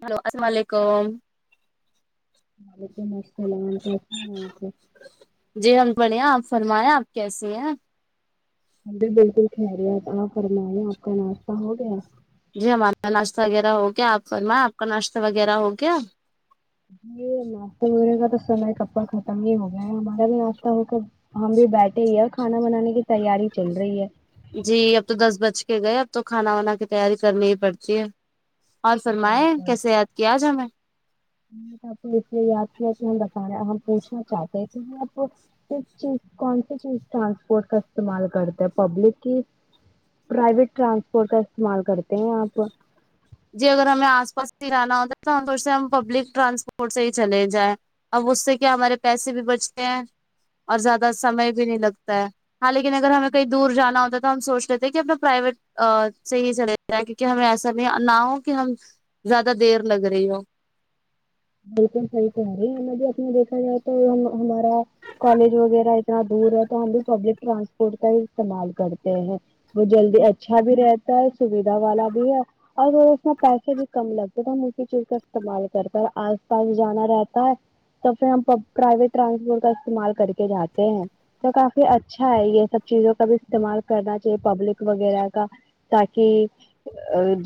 hello السلام و علیکم وعلیکم السلام کیس ہیں آپ جی ہم بڑھیا آپ فرمائے آپ کیسی ہیں جی بالکل خیریت آپ فرمایں آپ کا ناشتہ ہو گیا جی ہمارا ناشتہ وغیرہ ہو گیا آپ فرمایں آپ کا ناشتہ وغیرہ ہو گیا یہ ناشتے ہونے کا تو سمئے کپکہ ختم ہی ہو گیا ہے ہمارا بھی ناشتہ ہو کر ہم بھی بیٹھے ہی ہے اور کھانا بنانے کی تیاری چل رہی ہے جی اب تو دس بج کے گئے اب تو کھانا وانا کی تیاری کرنی ہی پڑتی ہے اور فرمائے کیسے یاد کیا آج ہمیں میں نے تو آپ کو اس لیے یاد کیا کہ ہم بتاے ہم پوچھنا چاہتے تھے آپ کس چیز کون سی چیز ٹرانسپورٹ کا استعمال کرتے ہیں پبلک کی پرائیویٹ ٹرانسپورٹ کا استعمال کرتے ہیں آپ جی اگر ہمیں آس پاس ہی رہانا ہوتا ہے تو ہم سوچتے ہم پبلک ٹرانسپورٹ سے ہی چلے جائیں اب اس سے کیا ہمارے پیسے بھی بچتے ہیں اور زیادہ سمئے بھی نہیں لگتا ہے ہاں لیکن اگر ہمیں کہیں دور جانا ہوتا ہے تو ہم سوچ لیتے ہیں کہ اپنا پرائیویٹ ا سے ہی چلے جاے کیونکہ ہمیں ایسا بھی نہ ہو کہ ہم زیادہ دیر لگ رہی ہو بالکل صحیح کہ رہی ہے ہمب بھی اپنے دیکھا جائے تو ہم ہمارا کالج وغیرہ اتنا دور ہے تو ہم بھی پبلک ٹرانسپورٹ کا ہی استعمال کرتے ہیں وہ جلدی اچھا بھی رہتا ہے سویدھا والا بھی ہے اور اس میں پیسے بھی کم لگتے تو ہم اسی چیز کا استعمال کرتےآس پاس جانا رہتا ہے تو پھر ہم پرائیویٹ ٹرانسپورٹ کا استعمال کر کے جاتے ہیں تو کافی اچھا ہے یہ سب چیزوں کا بھی استعمال کرنا چاہیے پبلک وغیرہ کا تاکی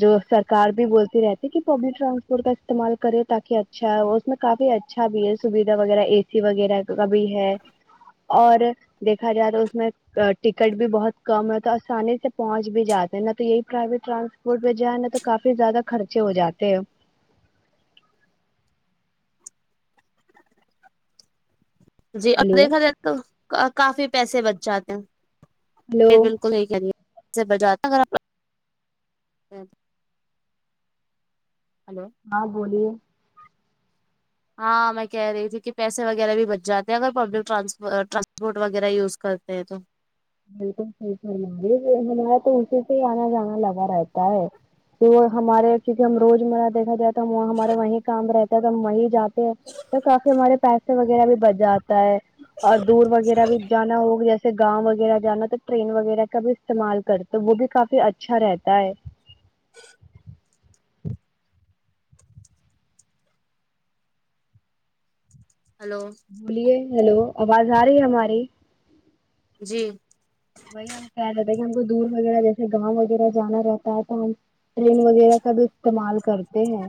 جو سرکار بھی بولتی رہتی کہ پبلک ٹرانسپورٹ کا استعمال کرے تاکہ اچھا اس میں کافی اچھا بھی ہے سویدھا وغیرہ اے سی وغیرہ کا بھی ہے اور دیکھا جائے تو اس میں ٹکٹ بھی بہت کم ہے تو آسانی سے پہنچ بھی جاتے ہیں نا تو یہی پرائیویٹ ٹرانسپورٹ میں جائے نا تو کافی زیادہ خرچے ہو جاتے ہیں جی اور ہلو دیکھا جائے تو کافی پیسے بچ جاتے ہلو ہیں [unintelligible] ہے ہلو ہاں بولیے ہاں میں کہہ رہی تھی کہ پیسے وغیرہ بھی بچ جاتے ہیں اگر پبلک ٹرانسپو ٹرانسپورٹ وغیرہ یوز کرتے ہیں تو بالکل صحیح فرما رہی ہمارا تو اسی سے آنا جانا لگا رہتا ہے کہ وہ ہمارے کیونکہ ہم روز مرہ دیکھا جائے تو ہمارے وہیں کام رہتا ہے تو ہم وہیں جاتے ہیں تو کافی ہمارے پیسے وغیرہ بھی بچ جاتے اور دور وغیرہ بھی جانا ہو ایسے گاؤں وغیرہ جانا تو ٹرین وغیرہ کا بھی استعمال کرتے وہ بھی کافی اچھا رہتا ہے [inaudible] ہلو بولیے ہلو آواز آ رہی ہے ہماری جی وہی ہم کہہ رہتے ہیں کہ ہم کو دور وغیرہ جیسے گاؤں وغیرہ جانا رہتا ہے تو ہم ٹرین وغیرہ کا بھی استعمال کرتے ہیں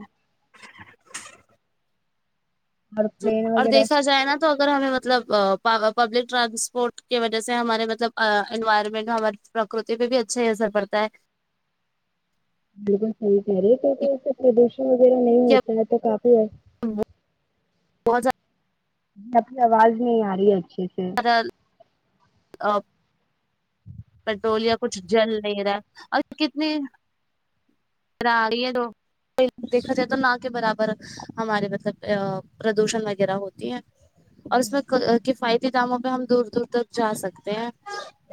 اور جی پلین اور وغیرہ دیکھا جائے نا تو اگر ہمیں مطلب پبلک آ ٹرانسپورٹ کی وجہ سے ہمارے مطلب آ انوائرمنٹ ہمار پرکرتی پہ بھی اچھا ہی اثر پڑتا ہے بالکل صحیح کہہ رہے ہے کیونکہ ایسے پردوشن وغیرہ نہیں ہوتا ہے تو کافی ہے ہم وہ بہت زیادہ آپکی آواز نہیں آ رہی ہے اچھے سے آپ پیٹرول یا کچھ جل نہیں رہا اور کتنی کراری ہے تو دیکھا جائے تو نہ کے برابر ہمارے مطلب پردوشن وغیرہ ہوتی ہے اور اس میں کفایتی داموں پہ ہم دور دور تک جا سکتے ہیں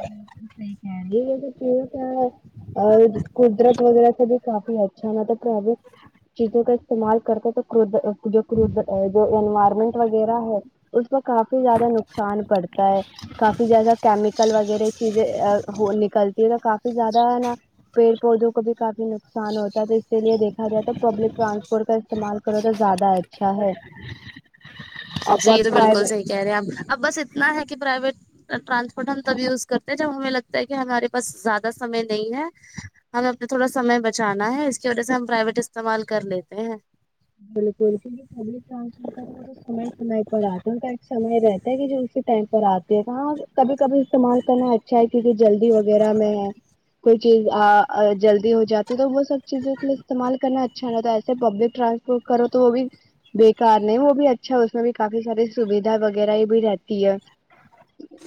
بلکل صحیح ہے یہ تو چیز کیا اور قدرت وغیرہ سے بھی کافی اچھا ہے نا تو ٹریول چیزوں کا استعمال کرتے تو جو جو آ انوائرمنٹ وغیرہ ہے اس میں کافی زیادہ نقصان پڑتا ہے کافی زیادہ کیمی کیمیکل وغیرہ چیزیں آہو نکلتی ہے تو کافی زیادہ ہے نا پیڑ پودوں کو بھی کافی نق نقصان ہوتا تو اسی لیے دیکھا جائے تو پبلک ٹرانسپورٹ کا استعمال کرو تو زیادہ ہے اچھا ہے جی اپر تو بالکل پرائیویٹ صحیح کہہ رہے ہیں آپ اب بس اتنا ہے کہ پرائیویٹ ٹرانسپورٹ ہم تب یوز کرتے ہیں جب ہمیں لگتا ہے کہ ہمارے پاس زیادہ سمے نہیں ہے ہمیں اپنا تھوڑا سمے بچانا ہے اس کی وجہ سے ہم پرائیویٹ استعمال کر لیتے ہیں بالکل [unintelligible] سمے سمے پر آتا ان کا ایک سمے رہتا ہے کہ جو اسی ٹائم پر آتا دیکھا ہاں کبھی کبھی استعمال کرنا اچھا ہے کیونکہ جلدی وغیرہ میں ہے کوئی چیز آ جلدی ہو جاتی تو وہ سب چیزوں کے لیے استعمال کرنا اچھا رہتا ہے ایسے پبلک ٹرانس پورٹ کرو تو وہ بھی بےکار نہیں وہ بھی اچھا اس میں بھی کافی ساری سویدھا وغیرہ یہ بھی رہتی ہے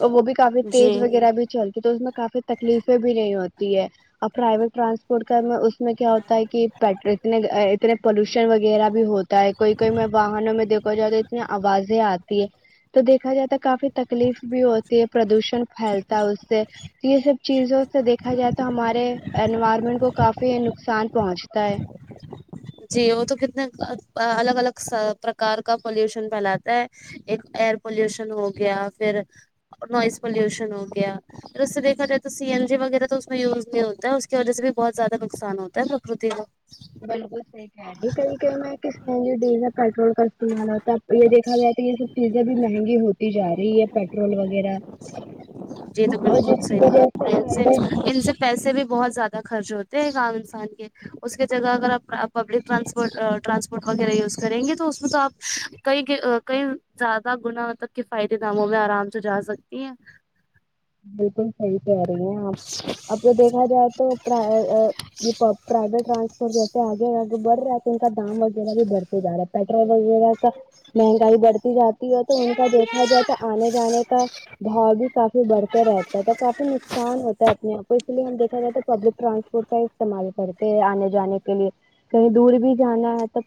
اور وہ بھی کافی جی تیز وغیرہ بھی چلتی ہے تو اس میں کافی تکلیفیں بھی نہیں ہوتی ہے آ پرائیویٹ ٹرانسپورٹ کا اس میں کیا ہوتا ہے کی پیٹرک نے اتنے پولوشن اونچاںی وغیرہ بھی ہوتا ہے کوئی کوئی میں واہنوں میں دیکھا جائے تو اتنی آوازیں آتی ہے تو دیکھا جاتا ہے کافی تکلیف بھی ہوتی ہے پردوشن پھیلتا ہے اس سےکی یہ سب چیزوں سے دیکھا جائے تو ہمارے انوائرمنٹ کو کافی نقصان پہنچتا ہے جی وہ تو کتنے الگ الگ پرکار کا پولوشن پھیلاتا ہے ایک ایئر پولوشن ہو گیا پھر نوائز پولوشن ہو گیا اس سے دیکھا جائے تو سی این جی وغیرہ تو اس میں یوز نہیں ہوتا ہے اس کی وجہ سے بھی بہت زیادہ نقصان ہوتا ہے پرکرتی کو بالکل صحیح کہہ رہی یہ کہیں کہیں میں کس می ڈیزل پیٹرول کا استعمال ہوتا ہے یہ دیکھا جائے کہ یہ سب چیزیں بھی مہنگی ہوتی جا رہی ہے پیٹرول وغیرہ جی تو اور بالکل جس کی صحیح کہا وجہ آپ نے ان سے پرائیویٹ ان سے پیسے بھی بہت زیادہ خرچ ہوتے ہیں ایک عام انسان کے اس کی جگہ اگر آپ پبلک ٹرانسپورٹ وغیرہ یوز کریں گے تو اس میں تو آپ کئی کئی زیادہ گنا تب کے فائدے داموں میں آرام سے جا سکتی ہیں بالکل صحیح کہہ رہی ہیں آپ اب دیکھا جائے تو پر ہے یہ پرائیویٹ ٹرانسپورٹ جیسے آگے آگے بڑ رہا ان کا دام وغیرہ بھی بڑت جا رہا ہے پیٹرول وغیرہ کا مہنگائی بڑھتی جاتی یہ تو ان کا دیکھا جائے تو آنے جانے کا بھاؤ بھی کافی بڑھت رہتا ہے تو کافی نقصان ہوتا ہے اپنے آپ پ اس لیے ہم دیکھا جائے تو پبلک ٹرانسپورٹ کا ہی استعمال کرتے ہیں آنے جانے کے لیے کہیں دور بھی جانا ہے تو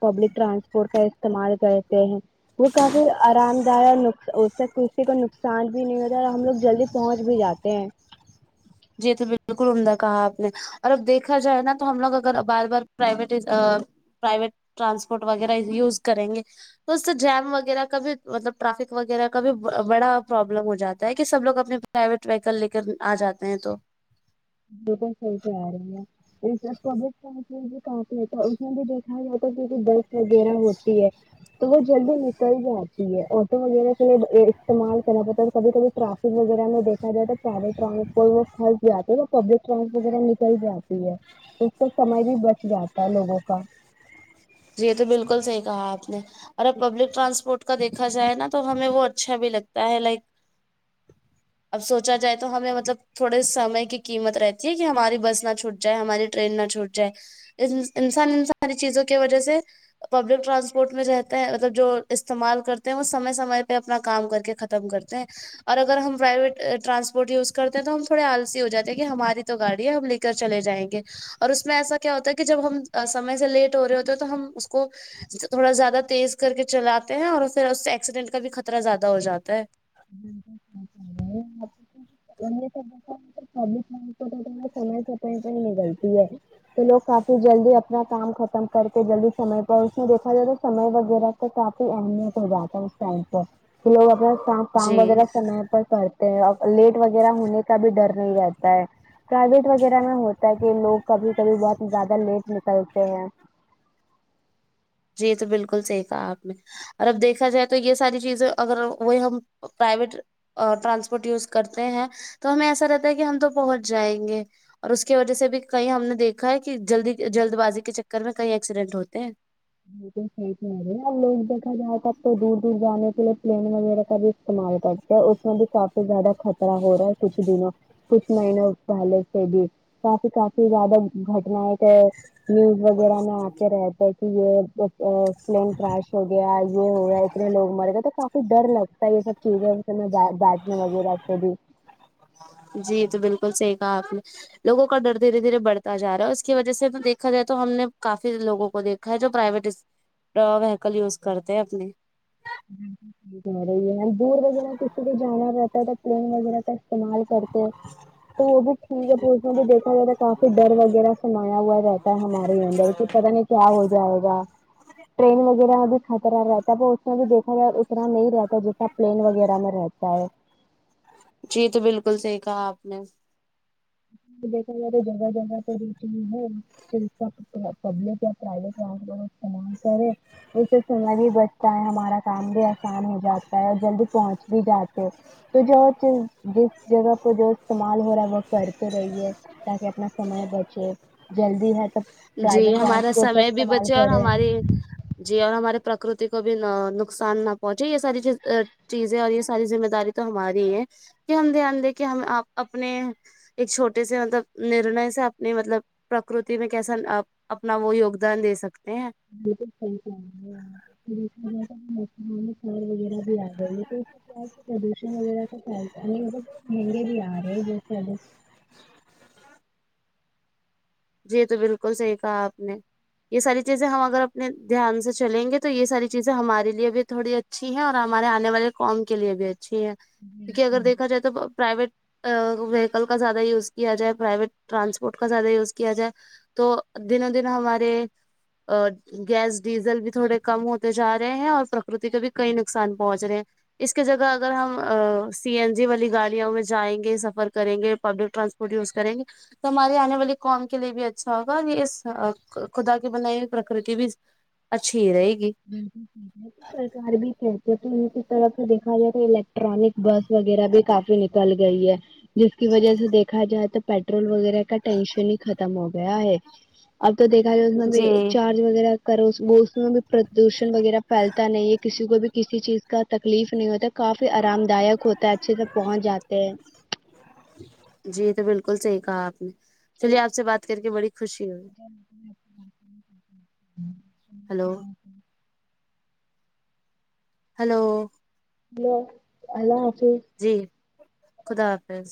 پبلک ٹرانسپورٹ کا استعمال کرتے ہیں وہ کافی آرام دا اور اس سے کسی کو نقصان بھی نہیں ہوتا اور ہم لوگ جلدی پہنچ بھی جاتے ہیں جی تو بالکل عمدہ کہا آپ نے اور اب دیکھا جائے نا تو ہم لوگ اگر بار بار پرائیویٹ پرائیویٹ ٹرانسپورٹ وغیرہ یوز کریں گے تو اس سے جیم وغیرہ کا بھی مطلب ٹرافک وغیرہ کا بھی بڑا پرابلم ہو جاتا ہے کہ سب لوگ اپنے پرائیویٹ وہیکل لے کر آ جاتے ہیں تو بالکل صحیح کہہ رہی ہیں اپ [unintelligible] میں بھی دیکھا جاتا ہے کیونکہ برف وغیرہ ہوتی ہے تو وہ جلدی نکل جاتی ہے آٹو وغیرہ کے لیے استعمال کرنا پڑتا ہے کبھی کبھی ٹرافک وغیرہ میں دیکھا جائے تو سارے ٹرانسپورٹ میں پھنس جاتے تب پبلک ٹرانسپورٹ وغیرہ نکل جاتی ہے اس کا سمے بھی بچ جاتا ہے لوگوں کا جی یہ تو بالکل صحیح کہا آپ نے اور پبلک ٹرانسپورٹ کا دیکھا جائے نا تو ہمیں وہ اچھا بھی لگتا ہے لائک اب سوچا جائے تو ہمیں مطلب تھوڑے سمے کی قیمت رہتی ہے کہ ہماری بس نہ چھوٹ جائے ہماری ٹرین نہ چھوٹ جائے انسان ان ساری چیزوں کی وجہ سے پبلک ٹرانسپورٹ میں رہتے ہیں مطلب جو استعمال کرتے ہیں وہ سمے سمے پہ اپنا کام کر کے کم کرتے ہیں اور اگر ہم پرائیویٹ ٹرانسپورٹ یوز کرتے ہیں تو ہم تھوڑے آلسی ہو جاتے ہیں کہ ہماری تو گاڑی ہے ہم لے کے کر چلے جائیں گے اور اس میں ایسا کیا ہوتا ہے کہ جب ہم سمے سے لیٹ ہو رہے ہوتے ہیں تو ہم اس کو تھوڑا زیادہ تیز کر کے چلاتے ہیں اور پھر اس سے ایکسیڈنٹ کا بھی خطرہ زیادہ ہو جاتا ہے [unintelligible] ا سمے سمے پے ہے نکلتی ہے تو لوگ کافی جلدی اپنا کام ختم کر کے جلدی سمے پر اس میں دیکھا جائے تو سمے وغیرہ توہ کافی اہمیت ہو جاتا ہے اس ٹائم پہ لوگ اپنا کا کام جی وغیرہ سمے پر کرتے ہیں اور لیٹ وغیرہ ہونے کا بھی ڈر نہیں رہتا ہے پرائیویٹ وغیرہ میں ہوتا ہے کہ لوگ کبھی کبھی بہت زیادہ لیٹ نکلتے ہیں جی یہ تو بالکل صحیح کہا آپ نے اور اب دیکھا جائے تو یہ ساری چیزیں اگر وہی ہم پرائیویٹ اور ٹرانسپورٹ یوز کرتے ہیں تو ہمیں ایسا رہتا ہے کہ ہم تو پہنچ جائیں گے اور اس کی وجہ سے بھی کہیں ہم نے دیکھا ہے کہ جلدی جلد بازی کے چکر میں کہیں ایکسیڈنٹ ہوتے ہیں بالکل صحیح کہہ رہی اللہ ہی بہتر جانتا لوگ دیکھا جائے تب تو دور دور جانے کے لیے پلین وغیرہ کا بھی استعمال کرتے ہے اس میں بھی کافی زیادہ خطرہ ہو رہا ہے کچھ دنوں کچھ مہینوں پہلے سے بھی کافی کافی زیادہ گھٹانیں تو نیوز وغیرہ میں آتے رہتے کہ یہ پلین کراش ہو گیا یہ ہو گیا اتنے لوگ مر گئے تو کافی ڈر لگتا ہے یہ سب چیزیں بانجنے وغیرہ سے بھی جی تو بالکل صحیح کہا آپ نے لوگوں کا ڈر دھیرے دھیرے بڑتا جا رہا ہے اس کی وجہ سے دیکھا جائے تو ہم نے کافی لوگوں کو دیکھ ا جو پرائیویٹ وہیکل یوز کرتے اپنی یہ دور وغیرہ کسی کو جانا رہتا ہے تو پلین وغیرہ کا استعمال کرتے ہو تو وہ بھی ٹھیک ہے پھر میں بھی دیکھا جائے تو کافی ڈر وغیرہ سمایا ہوا رہتا ہے ہمارے اندر کہ پتا نہیں کیا ہو جائے گا ٹرین وغیرہ میں بھی خطرہ رہتا ہے اس میں بھی دیکھا جائے اترنا نہیں رہتا ہے جتنا پلین وغیرہ میں رہتا ہے جی تو بالکل صحیح کہا آپ نے دیکھا جائے تو جگہ جگہ تو ریچانگ ہے پبلک اور پرائیویٹ ٹرانسپورٹ استعمال کرے اس سے سمئے بھی بچتا ہے ہمارا کام بھی آسان ہو جاتا ہے اور جلدی پہنچ بھی جاتے تو جو چز جس جگہ کو جو استعمال ہو رہا ہے وہ کر رہیے تاکہ اپنا سمے بچے جلدی ہے تو جی پرائیویٹ ہمارا ٹرانسپورٹ کا سمے بھی استعمال بچے اور کریں ہماری جی اور ہمارے پرکرتی کو بھی نقصان نہ پہنچے یہ ساری چیز چیزیں اور یہ ساری ذمہ داری تو ہماری ہے کہ ہم دھیان دے کے ہم آپ اپنے ایک چھوٹے سے مطلب نرنے سے اپنی مطلب پرکرتی میں کیسا اپنا وہ یگدان دے سکتے ہیں بالکل صحیح پھر مسم سار وغیرہ بھی آ گئی ہے تو [unintelligible] پردوشن وغیرہ تو پھیلتا نہیں ب مہنگے بھی آ رہے ہیں بہت زیادہ جی تو بالکل صحیح کہا آپ نے یہ ساری چیزیں ہم اگر اپنے دھیان سے چلیں گے تو یہ ساری چیزیں ہمارے لیے بھی تھوڑی اچھی ہے اور ہمارے آنے والے قوم کے لیے بھی اچھی ہے کیونکہ اگر بالکل دیکھا جائے تو پرائیویٹ وہیکل کا زیادہ یوز کیا جائے پرائیویٹ ٹرانسپورٹ کا زیادہ یوز کیا جائے تو دنوں دن ہمارے گیس ڈیزل بھی تھوڑے کم ہوتے جا رہے ہیں اور پرکرتی کا بھی کئی نقصان پہنچ رہے ہیں اس کی جگہ اگر ہم سی این جی والی گاڑیوں میں جائیں گے سفر کریں گے پبلک ٹرانسپورٹ یوز کریں گے تو ہماری آنے والی قوم کے لیے بھی اچھا ہوگا یہ اس خدا کی بنائی ہوئی پرکرتی بھی اچھی رہے گی بالکل ٹھیک ہے سرکار بھی کہتے تو ان کی طرف سے دیکھا جائے تو الیکٹرانک بس وغیرہ بھی کافی نکل گئی ہے جس کی وجہ سے دیکھا جائے تو پیٹرول وغیرہ کا ٹینشن ہی ختم ہو گیا ہے اب تو دیکھا جی جائے چار وغیرہ کرو بھی [unintelligible] پودھوشن وغیرہ پھیلتا نہیں ہے کسی کو بھی کسی چیز کا تکلیف نہیں ہوتا کافی آرام دائک ہوتا اچھے سے پہنچ جاتے ہیں جی تو بالکل صحیح کہا آپ نے چلیے آپ سے بات کر کے بڑی خوشی ہوئی ہلو [unintelligible] ہیلو ہیلو اللہ حافظ جی خدا حافظ